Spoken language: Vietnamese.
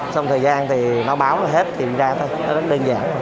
xong thời gian thì nó báo là hết thì mình ra thôi nó rất đơn giản